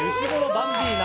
バンビーナ